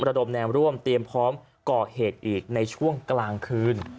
ระดมแนวร่วมเตรียมพร้อมก่อเหตุอีกในช่วงกลางคืน